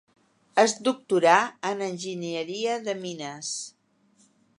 Es doctorà en Enginyeria de Mines.